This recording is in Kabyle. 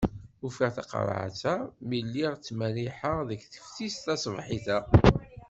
Ufiɣ taqerεet-a mi lliɣ ttmerriḥeɣ deg teftist taṣebḥit-a.